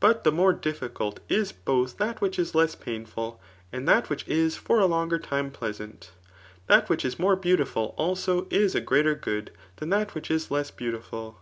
But the more difficult is both that which is less painful, and that which is for a loiter time pleasant That which is more beautiful, also, [is a greater good^ than that which is less beautiful.